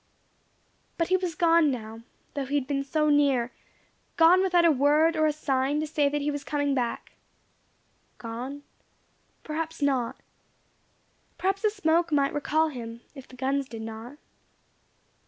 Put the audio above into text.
But he was gone now though he had been so near gone without a word, or a sign, to say that he was coming back. Gone? Perhaps not. Perhaps a smoke might recall him, if the guns did not.